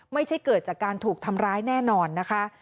ไม่ใช่เกิดจากการถูกทำร้ายแน่นอนนะคะ